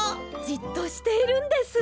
じっとしているんです。